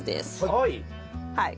はい。